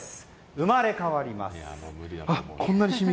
生まれ変わります！